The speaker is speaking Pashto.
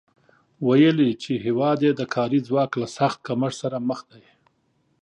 ویلي چې هېواد یې د کاري ځواک له سخت کمښت سره مخ دی